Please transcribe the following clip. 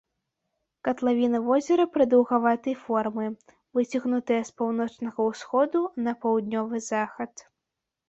Катлавіна возера прадаўгаватай формы, выцягнутая з паўночнага ўсходу на паўднёвы захад.